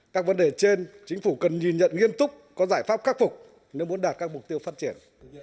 các vấn đề trên chính phủ cần nhìn nhận nghiêm túc có giải pháp khắc phục nếu muốn đạt các mục tiêu phát triển